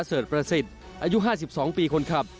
เสิร์ตประสิทธิ์อายุ๕๒ปีคนขับ